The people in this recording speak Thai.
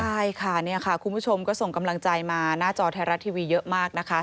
ใช่ค่ะนี่ค่ะคุณผู้ชมก็ส่งกำลังใจมาหน้าจอไทยรัฐทีวีเยอะมากนะคะ